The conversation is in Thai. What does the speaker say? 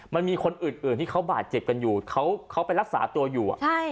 มันมีคนอื่นที่เขาบาดเจ็บกันอยู่เขาไปรักษาตัวอยู่